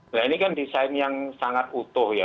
nah ini kan desain yang sangat utuh ya